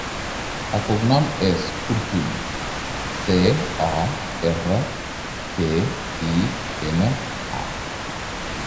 El cognom és Cortina: ce, o, erra, te, i, ena, a.